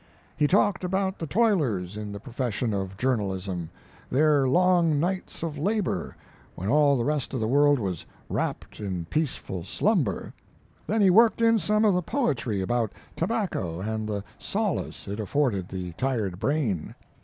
He talked about the toilers in the profession of journalism, their long nights of labor when all the rest of the world was wrapped in peace ful slumber. Then he worked in some of the poetry about tobacco and the solace it afforded the tired brain.